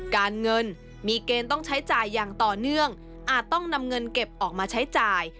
การเงินมีเกณฑ์ต้องใช้จ่ายอย่างต่อเนื่องอาจต้องนำเงินเก็บออกมาใช้จ่าย